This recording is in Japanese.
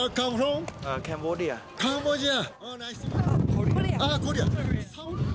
カンボジア。